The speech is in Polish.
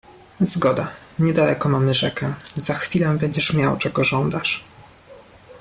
"Zgoda, niedaleko mamy rzekę, za chwilę będziesz miał czego żądasz."